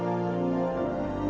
saya tidak tahu